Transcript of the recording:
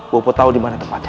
popo tau dimana tempatnya